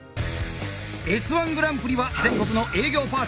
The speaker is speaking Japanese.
「Ｓ−１グランプリ」は全国の営業パーソン